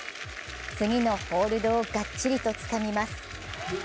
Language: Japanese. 次のホールドをがっちりとつかみます。